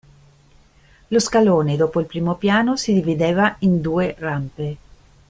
Lo scalone, dopo il primo piano, si divideva in due rampe.